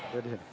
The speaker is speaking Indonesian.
terus sama pak